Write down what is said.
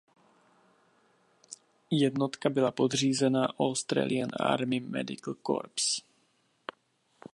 Jednotka byla podřízena "Australian Army Medical Corps".